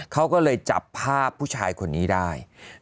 เขาก็เลยจับภาพผู้ชายคนนี้ได้